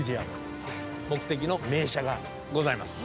目的の名車がございます。